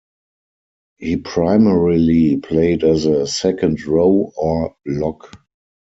He primarily played as a second row or lock.